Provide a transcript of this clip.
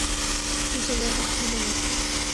Usa gafas y tiene de mascota una serpiente de gran tamaño.